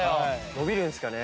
伸びるんですかね？